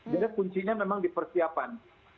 jadi kuncinya memang dipersiapan